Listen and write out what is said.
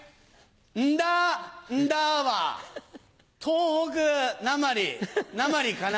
「んだんだ」は東北なまりなまりかな。